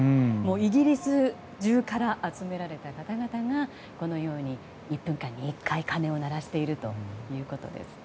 イギリス中から集められた方々がこのように１分間に１回鐘を鳴らしているということです。